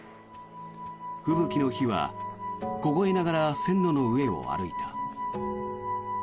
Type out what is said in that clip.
吹雪の日は凍えながら線路の上を歩いた。